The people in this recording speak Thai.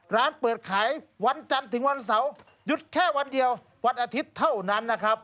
ร้านเปิดขายวันจันทร์ถึงวันเสาร์หยุดแค่วันเดียววันอาทิตย์เท่านั้นนะครับ